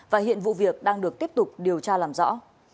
và hiện vụ việc đang được tiếp tục điều tra làm rõ